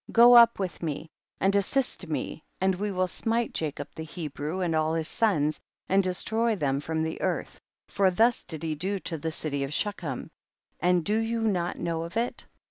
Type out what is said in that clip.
Go up with me and assist me, and we will smite Jacob the Hebrew and all his sons, and destroy them from the earth, for thus did he do to the city of Shechem, and do you not know of it